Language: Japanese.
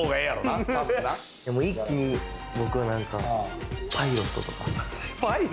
一気に僕はなんかパイロットとか？